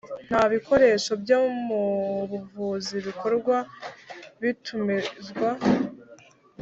Nta bikoresho byo mu buvuzi bikorwa bitumizwa